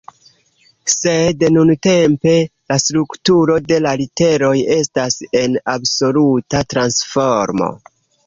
Sed nuntempe, la strukturo de la literoj estas en absoluta transformo.